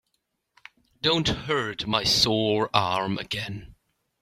Don't hurt my sore arm again.